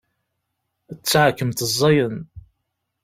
D taɛekkemt ẓẓayen.